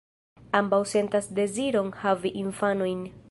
Ambaŭ sentas deziron havi infanojn.